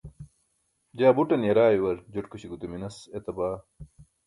jaa buṭan yaraayuar joṭkuśi gute minas etaba